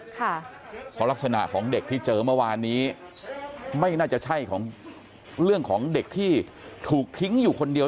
เพราะลักษณะของเด็กที่เจอเมื่อวานนี้ไม่น่าจะใช่ของเรื่องของเด็กที่ถูกทิ้งอยู่คนเดียว